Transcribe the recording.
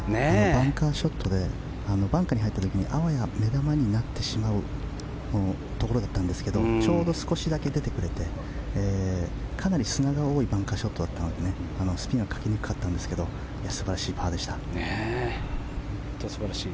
バンカーショットでバンカーに入った時にあわや目玉になってしまうところだったんですけどちょうど少しだけ出てくれてかなり砂が多いバンカーショットだったんですがスピンをかけにくかったんですけど素晴らしいショットでした。